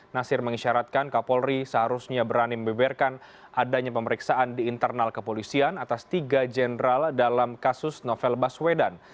nasir mengisyaratkan kapolri seharusnya berani membeberkan adanya pemeriksaan di internal kepolisian atas tiga jenderal dalam kasus novel baswedan